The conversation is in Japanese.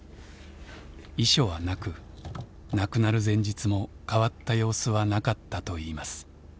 遺書はなく亡くなる前日も変わった様子はなかったといいます。